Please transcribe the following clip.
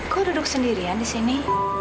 kok duduk sendirian disini